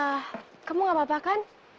ya kamu gak apa apa kan